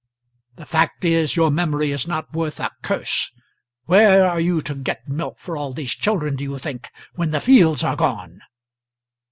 The fact is, your memory is not worth a curse. Where are you to get milk for all those children, do you think, when the fields are gone?"